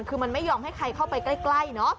คือมันไม่ยอมให้ใครเข้าไปใกล้เนอะ